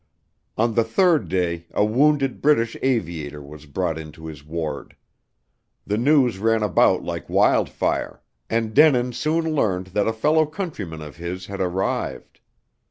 On the third day, a wounded British aviator was brought into his ward. The news ran about like wildfire, and Denin soon learned that a fellow countryman of his had arrived.